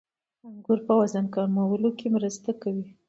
• انګور وزن کمولو کې مرسته کوي.